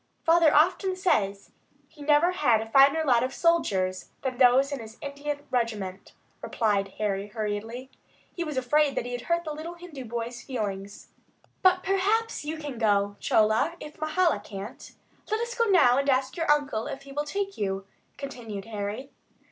Father often says he never had a finer lot of soldiers than those in his Indian regiment," replied Harry, hurriedly. He was afraid that he had hurt the little Hindu boy's feelings. "But perhaps you can go, Chola, if Mahala can't. Let us go now and ask your uncle if he will take you," continued Harry.